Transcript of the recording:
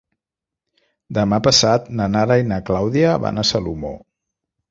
Demà passat na Nara i na Clàudia van a Salomó.